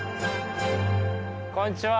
こんにちは。